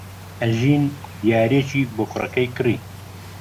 ئەژین دیارییەکی بۆ کوڕەکەی کڕی.